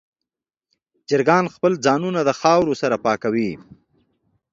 چرګان خپل ځانونه د خاورو سره پاکوي.